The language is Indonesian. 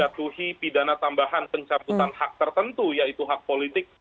jatuhi pidana tambahan pencabutan hak tertentu yaitu hak politik